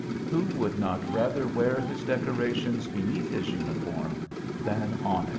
Who would not rather wear his decorations beneath his uniform than on it?